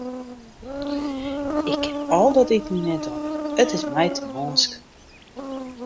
Ik kin al dat iten net op, it is my te mânsk.